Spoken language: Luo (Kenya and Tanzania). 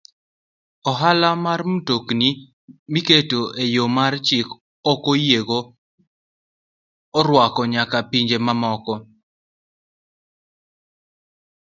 Ohala mar mtokni mitero e yo ma chik ok oyiego okwako nyaka pinje mamoko.